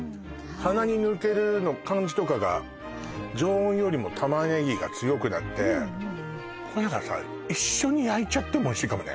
鼻に抜ける感じとかが常温よりも玉ねぎが強くなってこれだからさ一緒に焼いちゃってもおいしいかもね